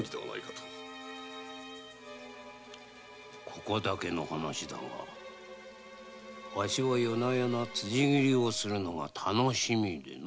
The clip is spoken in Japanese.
ここだけの話ですがワシは夜な夜な辻切りをするのが楽しみでなぁ。